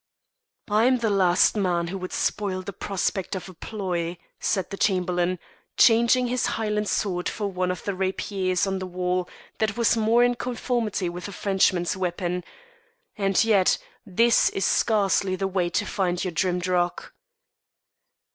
"I'm the last man who would spoil the prospect of a ploy," said the Chamberlain, changing his Highland sword for one of the rapiers on the wall that was more in conformity with the Frenchman's weapon; "and yet this is scarcely the way to find your Drimdarroch."